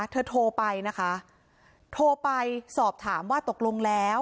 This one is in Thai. โทรไปนะคะโทรไปสอบถามว่าตกลงแล้ว